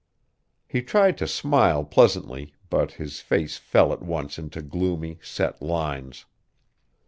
He tried to smile pleasantly, but his face fell at once into gloomy, set lines.